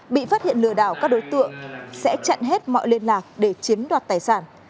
bị phát hiện lừa đảo các đối tượng sẽ chặn hết mọi liên lạc để chiếm đoạt tài sản